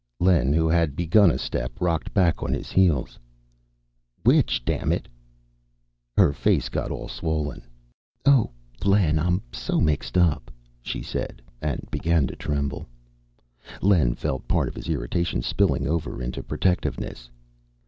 _" Len, who had begun a step, rocked back on his heels. "Which, damn it?" Her face got all swollen. "Oh, Len, I'm so mixed up," she said, and began to tremble. Len felt part of his irritation spilling over into protectiveness.